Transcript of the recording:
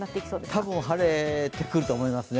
多分晴れてくると思いますね。